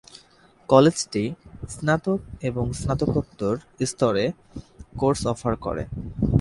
কলেজটি স্নাতক এবং স্নাতকোত্তর স্তরে কোর্স অফার করে।